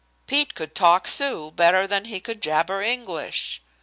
Pete could talk Sioux better than he could jabber English.